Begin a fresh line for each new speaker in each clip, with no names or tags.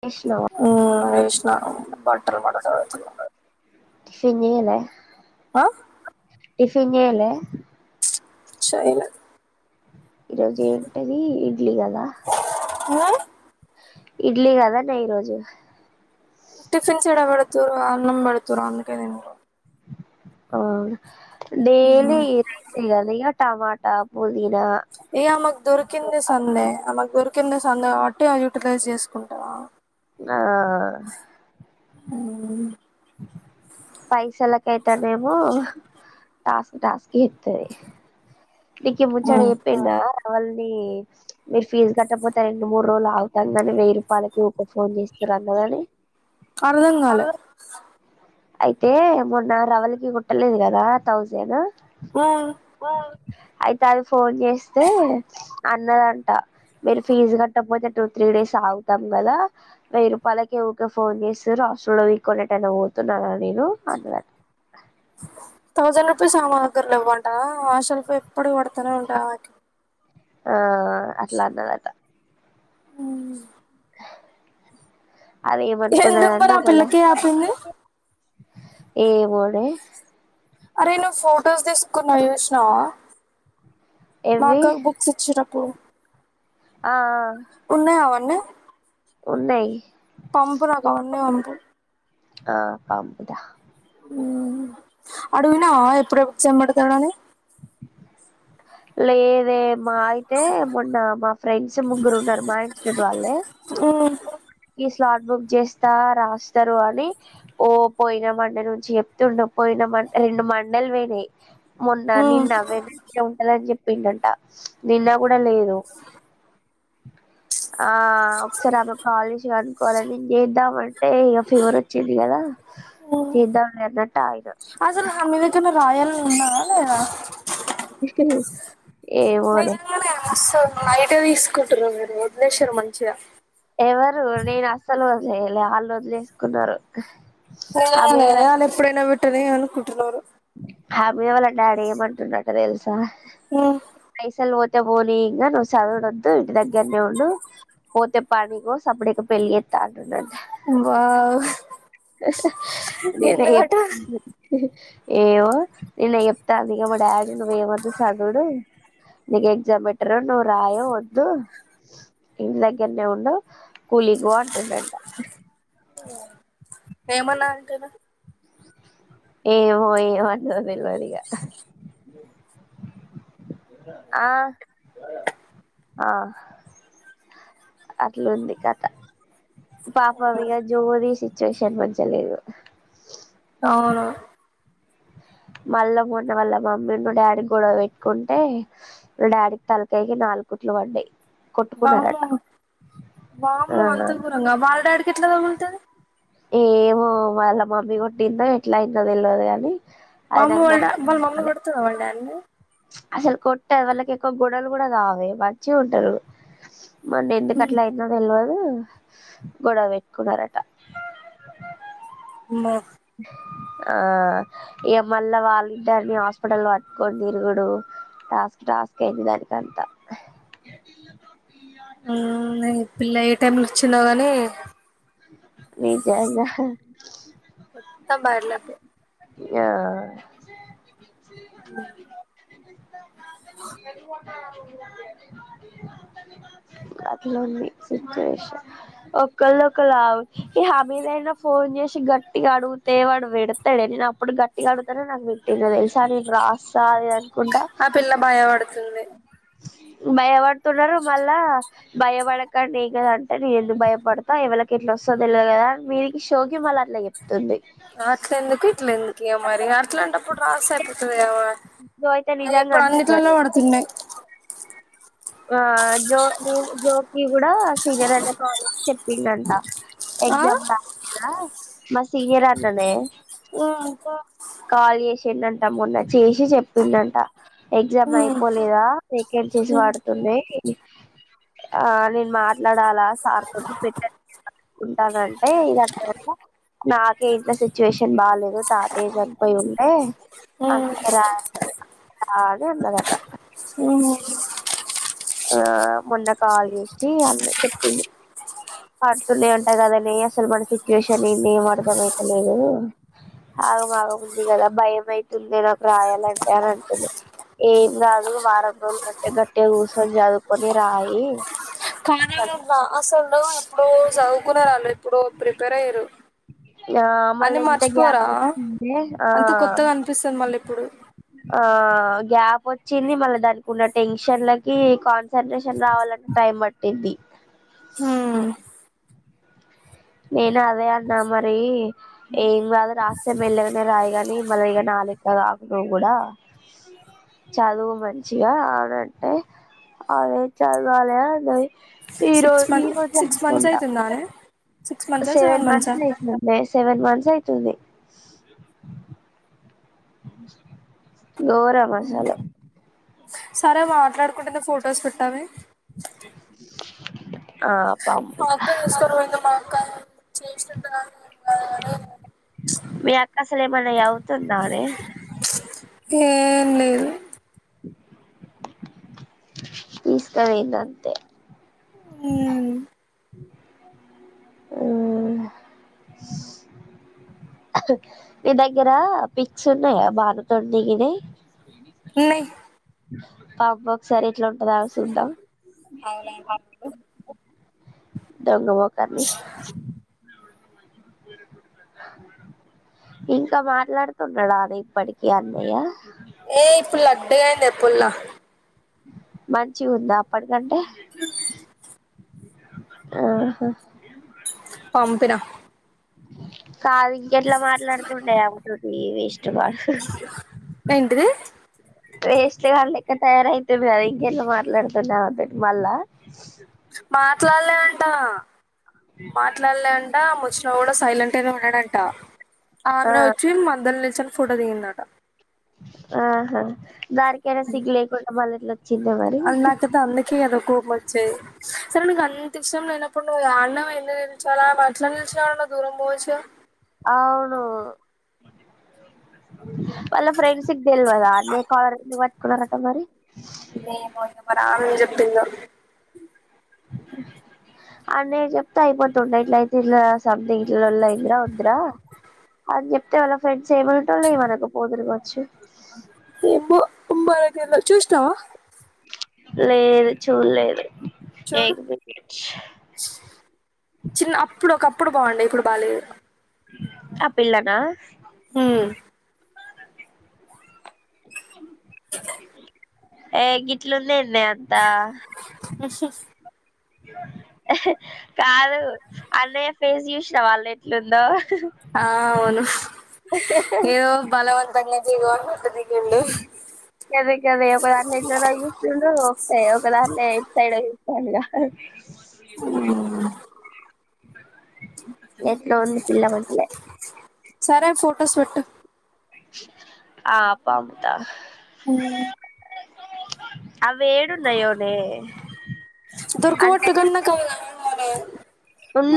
కష్ణవా
బటర్ మన్ చదువుతున్న
సిన్నియలే
ఆ
టిఫిన్ చెయ్లే
చైలే
ఈరోజు ఎంటది ఇడ్లీ కాద
ఉమ్
ఇడ్లీ కదానే ఈ రోజు
టిఫిన్స్ ఎడ పెడుతురు అన్నం పెడుతురు అందుకే తిన్రు
ఆ డేలీ రైస్ గద ఇగ టమాటా పు
ఇగ ఆమగి దొరుకింది సందే అమగ్ దోరుకి కింది సందు కాబట్టి యూటిలైజ్ చేసుకుంటా
ఆ పైసలకైతేనేమో టాస్క్ టాస్క్ చేతది నిక్ ఈ ముచ్చట చెప్పిండా మీ-మీరు ఫీజు కట్టపోతే రెండు మూడు రోజులు ఆగుతాం గని వెయ్యి పలకి ఒక ఫోన్ చేస్తారు అని
అర్ధంకాలే
అయితే మొన్న రవలికి కుట్టలేదు కదా థౌజండ్
ఆ
అయితే అది ఫోన్ చేస్తే అన్నదంట మీరు ఫీజు కట్టకపోతే టూ త్రీ డేస్ ఆగుతం కదా వెయ్యి రూపాయలకి ఊకె ఫోన్ చేస్తరు హాస్టల్ లో పీకోని ఎటైన పోతున్నానా అని నేను అన్నదంట
[inaudible] థౌజండ్ రూపీస్ సామాగ్రిలు ఇవ్వంట హాస్టల్ ఎప్పుడు పడతనే ఉంటాది ఆమెకి
ఆ అట్లా అన్నదట
మ్
అద
ఎందుకు
ఏమనుకున్నదంటె
మరి ఆ
ఒకవేల
పిల్లకి ఆపింది
ఏ మో నే
అరే నువ్ ఫోటోస్ తీసుకున్నా చూసినావ
ఎవ్వి
మాకు బుక్స్ ఇచ్చారప్పుడు
ఆ ఉన్నాయి
పంపురా గాన్నె పంపు
ఆ పంపుతా
హు అడిగినావ ఎప్పుడు ఎగ్జామ్స్ పెడుతాడు అని
లేదే మాహ అయితే మొన్న మా ఫ్రెండ్స్ ముగ్గురు ఉన్నారు మా ఇన్స్ట్యూట్ వాళ్ళే ఈ
ఆ
స్లాట్ బుక్ చేస్తా రాస్తారు అని ఓ పోయిన మండే నుంచి చెప్తుండు పోయిన మ రెండు మండేలు పోయినయ్ నా
ఉమ్
నిన్న వెడ్నాస్డే ఉంటందని చెప్పిండంట నిన్న కూడా లేదు ఆ ఒకసారి ఆమె కాల్ చేసి అనుకోవాలే నేం చేద్దామం టే ఇగ ఫీవర్ వచ్చింది కదా చేద్దాంలే అన్నట్టు ఆగిన
రాయలని ఉన్నాదా లేద
ముక
నిజంగానే మస్తుా లైట్గా తీసుకుంటుర్రు మీరు వదిలేశిల్లు మంచిగా
లే లే అళ్ళు వదిలేసుకున్నారు
ఏమో
హామీ
లే
వాళ్ళ
వాళ్ళు ఎప్పుడైనా పెట్టని అనుకుంటున్నారు
హ్యాపీవాళ్ళ డాడీ ఏమంటుండంట తెలుసా
ఉమ్
పైసల్ పోనీ ఇంగ నువ్వు చదువుడు వద్దు ఇంటి దగ్గరనే ఉండు పోతే పని కో సప్పుడేక పెళ్లి చేత్ త్త అంటుం
వావ్
నిన్న చెప్
ఎందుకట
ఏవో నిన్న చెప్తాంది ఇగ మా డాడీ నువ్వేం వద్దు చదువుడు నీకు ఎక్జామ్ పెట్టరు నువ్ రాయవ్ వద్దు ఇంటి దగ్గరనే ఉండు కూలికి పో అంటుండంట
ఏమన్నా అంటదా
ఏవో ఏవో అంటదో తెలువదిగా ఆ ఆ అట్లుంది కథ పాపం ఇగా జోరి సిచువేషన్ మంచిగ లేదు
అవును
మల్ల మొన్న వాళ్ళ మమ్మీ ఉన్ను డాడీ గొడవ పెట్టుకుంటే వాళ్ళ డాడీకి తలకై నాలుగు కుట్లు పడ్డాయ్
వామ్మో
ఆ
వామ్మో అంత గోరంగా వాళ్ళ డాడికి ఎట్లా తగులుతది
ఏమో వాళ్ళ మమ్మీ కొట్టిందో ఎట్లా అయిందో తెలువదు కాని
వామ్మో వాళ్ డాడ్ వాళ్ళ మమ్మి కొడుతద వాళ్ళ డాడీ ని
అసలు కొట్టద్ వాళ్ళకి ఎక్కువ గోడవలు కూడా కావే మంచిగా ఉంటారు మొన్న ఎందుకు అట్ల అఇందో తెలువదు కు గోడవపెట్టుకున్నారట
మ్మో
ఆ ఇగ మళ్ళా వాళ్ళిద్దరిని హాస్పిటల్ పట్టుకోని తిరుగుడు టాస్క్ టస్క్ పెడితే అంతా
హుమ్ ఈ పిల్ల ఏ టైమ్ లో వచ్చిండో గాని
నిజంగా
అ బర్లక్
గా
అ
అట్లోంది సిచువేషన్ ఒక్కల్లోక్కాలవ్ ఈ హమీద అయినా ఫోన్ చేసి గట్టిగా అడుగుతే వాడు పేడ్ తాడే నేను అప్పుడు గట్టిగా అడుతనే నాకు పెట్టిండు తెలుసా నేను రాస్తా అనుకుంటా
సుంది
భయపడుతున్నారు మళ్ళా భయపడకండి ఎం కదూ అంటే నిను ఎందుకు భయపడుతా ఇవళకే ఇట్లా వస్తదో తెలువదు కదా మీదికి షో కి మళ్ళ అట్లా చెప్తుంది
ఆట్ల ఎందుకు ఇట్ల ఎందుకు మరి అట్లాంటప్పుడు రాస్తే అయిపోతది కదా మర్
జో అయితే
అది
నిజంగా
ఇప్పుడు అన్నిట్లల్ల
అంటున్నది
పడుతున్నాయి
ఆ జో జీ జోకి కూడా సీగరనే కాలే చెప్పిండంట
ఆ
ఎగ్జామ్ రాయరా మా సీనియర్ అన్ననే
ఓ
కాల్ చేసిండట మొన్న చేసి చెప్పిండంట ఎగ్జామ్
ఉమ్
అయిపోలేదా సెకండ్ చేసి
ఉమ్
వాడు ఏంటి ఆ నేను మాట్లాడు జాలా సార్ తోటి పెట్టనుకుంటంటే ఇదంత నార్ కే ఇంట్ల సిచ్యువేషన్ బాలేదు తాతయ్య చనిపోయి ఉంటే
ఉమ్
అందుకే రాయలేదు అదే అన్నదటా
సు
ఆ మొన్న కాల్ చేసి అన్న కు చెప్పింది పడుతునే ఉంటగాదనే అసలు మన సిచువేషన్ ఏంది ఏం అర్ధం అయితలేదు ఆగంమాగం ఉంది కదా భయం అయితుందే నాకు రాయాలంటే అని అంటుంది ఏం కాదు వారం రోజులు గట్టే గట్టే కూర్చొని చదువుకొని రాయి
కానీ వొళ్ల అసలు ఎప్పుడో చదువుకునే వాళ్ళు ఎప్పుడో ప్రిపేర్ అయ్యారు
ఆ మళ్ళా
అన్ని
ఎంత గ్యాప్
మర్చిపోరా
వచ్చిందే ఆ
అంత కొత్తగా అనిపిస్తుంది మళ్ళీ ఇప్పుడు
ఆద్ గ్యాప్ వచ్చింది మళ్ళా దానికి ఉన్న టెన్షన్లకి కాన్సన్ట్రేషన్ రావాలన్ టైం పట్టింది
హు
నేను అదే అన్నా మరి ఏం కాదు రాస్తే మెల్లగానే రాయిగాని మళ్ళీ ఇగ నా మళ్ళీ ఇక్కడ వద్దు కూడా చదువు మంచిగా అని అంటే అదే చదవాలే అన్నది ఈ
సిక్స్
రోజు ఈ
మంత్
రోజు
సిక్స్ మంత్స్
అనుకుంట
అయితుందానే సిక్స్ మంత్సా
సెవెన్
మంత్సా
మంత్స్ పెట్టినం లే సెవెన్ మంత్స్ అయితుంది గోరం అసలు
సరే మాట్లాడుకుంటనే ఫోటోస్ పెట్టు అవి
ఆ పంపిస్తా పాం
శేష్ట దారుణం కదా నే
మీ అక్క అసలు ఏమన్నా చదువుతుందా నే
ఏం లేదు
తీసుక వేయింది అంతే
ఉన్
ఉ ఆ నీ దగ్గర పిక్స్ ఉన్నాయా భాను తోన్ దిగినాయ్
ఉన్నాయి
పాబ్ బా ఒకసారి ఎట్లా ఉంటది ఆగు చూద్దాం
అవునండి
దొంగ మొకముది ఇంకా మాట్లాడుతున్నాడా అనే ఇప్పటికి అన్నయ్య
ఏ ఇప్పుడు లడ్డు గా అయ్యిందే పోల్ల
మంచి ఉందా అప్పటికంటే
ఆ
ఆహా
పంపిన
కాదు ఇంకెట్లా మాట్లాడుతుండేయి ఆమె తోటి వేస్ట్ గాడు
ఏంటిది.
వేస్ట్ గానీ లెక్క తయారవుతురూ గాద ఇంకా ఎట్లా మాట్లాడుతుండు ఆమెతోటి మళ్ళా
మాట్లాడలే అంట మాట్లాడలే అంట ము శ్రావణ్ సైలెంట్ ఉన్నాడంట.
ఆ
ఆమెనే వచ్చి మందల్ ఫోటో దిగింది అట.
ఆహా దానికి ఐన సిగ్గు లేకుండా మళ్ళ ఎట్లా వాట్
అ నాకైతే అందుకే కదా కోపం వచ్చేది. సరే నేను కనుక్ అంత ఇష్టం లేనప్పుడు నువ్వు ఆ అన్నం ఎందుకు తినిపించాలా. మచ్చలనే నిలుచున్నవు దూరం పోవచ్చు కదా.
అవును వాళ్ళ ఫ్రెండ్స్ కి తెల్వదా. అన్నయ్య కలర్ ఎందుకు పట్టుకునరంట మరి
మరేమో ఇంకా ఆమె ఏం చెప్పిందో.
అన్నయ్య చెప్తే అయిపోతుండే ఇట్ల అయితే ఇట్లా సమ్థింగ్ లొల్లి అయిందిరా వద్దు రా అని చేప్ తే వల్ల ఫ్రెండ్స్ ఏమా టోలు ఎమానకు పోతురుకవచ్చు.
ఏమో మనకి ఏమన్నా చూసినమా
లేదు చూడలేదు.
చూడు
ఏక్ మినిట్
చ్ చిన్న అప్పుడు ఒకప్పు అప్పుడు బాగుండే ఇప్పుడు బాగాలేదు.
ఆ పిల్ల నా.
ఉమ్మ్
ఏ గిట్ల ఉంది. ఎందే అన్ తా కాదు అన్నయ్య ఫేస్ చూసినవ అన్నే ఎట్లుందో.
ఆ అవును ఏవో బలవంతగా చికోనికి ఇండు
కద కదే ఒక దాని ఎట్లతగిలిచుండు ఒకదాని ఎ సైడ్ ఇస్తాంగా. అ
ఉమ్మ్
ఎట్ల ఉంది. పిల్ల మంచిగా లే
సరే ఫొటోస్ పెట్టు.
ఆ పంపుతా.
హ్మ్మ్
అవ్వి ఏడున్నాయోనే
దొరక
అంటే
వట్టు గన్నా కల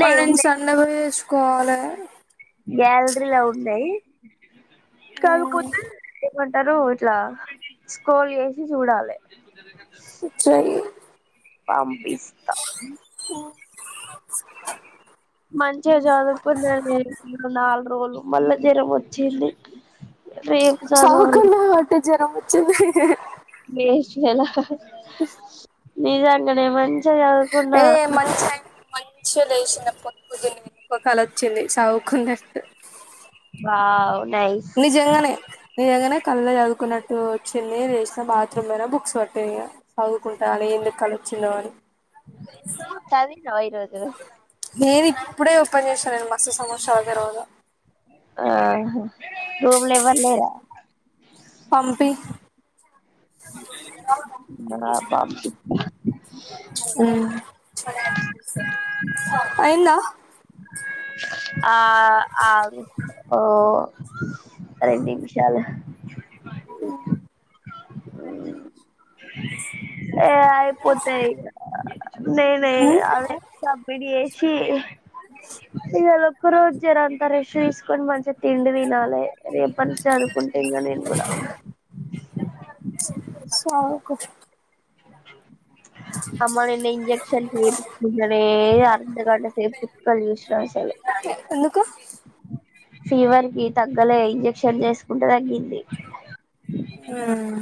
మా అయ్యన సనగా పోయేచు కోలె
గ్యాలరీలొ ఉన్నాయి. కాకపోతే కుంటారు ఇట్లా స్క్రోల్ చేసి చూడాలే.
చెయ్యి
పంపిస్తా.
[inaudible]
మంచిగా చదువుకున్నానే నాలుగు రోజులు. మల్లా జ్వరం వచ్చింది. రేపు చదవాలి
సదువుకున్నావ్ కాబట్టే జ్వరం వచ్చింది.
వేస్ట్ ఫెలో
ఇస్
నిజంగానే మంచిగా చదువుకున్నా.
ఏ మంచి మంచిగా లేసిన పొద్దుగేలి ఓ కల వచ్చింది. సవుకున్నట్టు
వావ్ నైస్
నిజంగానే నిజగానే కలలో చదువుకున్నట్టు వచ్చింది. లేసిన బాత్రూమ్ పోయిన బుక్స్ పట్టిన ఇక్క చదువుకుంటాన ఎందుకు కల్లో చిన్నవని
చదివినవ ఈరోజు
నేను ఇప్పుడే ఓపెన్ చేసిన నేను, మస్త్ సంవత్సరాల తర్వాత.
ఆహా రూమ్ లా ఎవర్ లేరా
పంపి
బార పంపింత
ఉమ్ అయిందా
అ ఆ ఓ రెండునిమిషాలు
హ్మ్మ్
ఏయి ఐపోతే ఇగ లేదే సబ్మిట్ చేస్తే చీ ఈవాలా ఒక్క రోజు జరంత రెస్ట్ తీసుకొని మంచిగా తిండి తినాలి రేపటి నుండి చదువుకుంట ఇగ నేను కూడా
సదువుకో
అమ్మ నిన్న ఇంజెక్షన్ చెపిచ్కుంటేనే అర్ధగంట సేపు చుక్కలు చూసినా అసలు
ఎందుకు
ఫీవర్ కి తగ్గలే ఇంజెక్షన్ చేసుకు తగ్గింది
ఉమ్